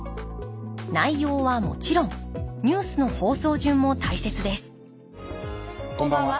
内容はもちろんニュースの放送順も大切ですこんばんは。